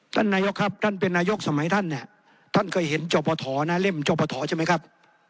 นายกครับท่านเป็นนายกสมัยท่านเนี่ยท่านเคยเห็นจอปฐนะเล่มจอปฐใช่ไหมครับ